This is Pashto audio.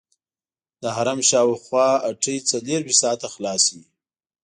د حرم شاوخوا هټۍ څلورویشت ساعته خلاصې وي.